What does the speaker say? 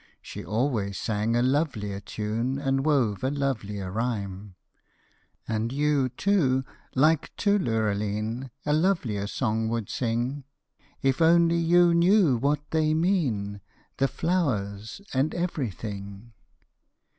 She always sang a lovelier tune and wove a lovelier rhyme, And you, too, like to Lurlaline, a lovelier song would sing, If only you knew what they mean, the flowers and ev'ry thing.